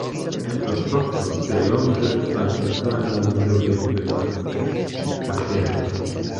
Estas fakto, ke longe franciskanoj zorgis pri la kapelo.